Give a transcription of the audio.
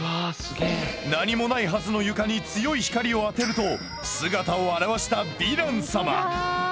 何もないハズの床に強い光を当てると姿を現したヴィラン様！